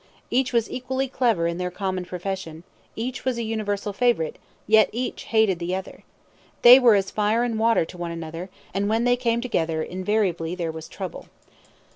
Each was equally clever in their common profession; each was a universal favourite, yet each hated the other. They were as fire and water to one another, and when they came together, invariably there was trouble.